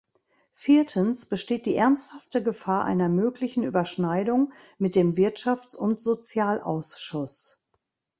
Viertens besteht die ernsthafte Gefahr einer möglichen Überschneidung mit dem Wirtschafts- und Sozialausschuss.